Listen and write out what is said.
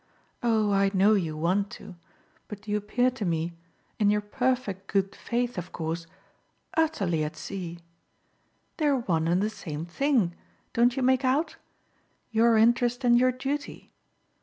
Oh I know you want to, but you appear to me in your perfect good faith of course utterly at sea. They're one and the same thing, don't you make out? your interest and your duty.